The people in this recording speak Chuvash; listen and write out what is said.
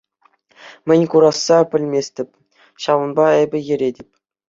Мӗн курасса пӗлместӗп, ҫавӑнпа эпӗ йӗретӗп.